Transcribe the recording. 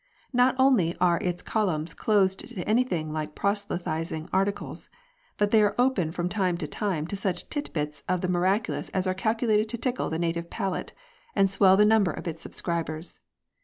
Not only are its columns closed to anything like proselytising articles, but they are open from time to time to such tit bits of the miraculous as are calculated to tickle the native palate, and swell the number of its subscribers.